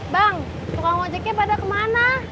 bang tukang ojeknya pada kemana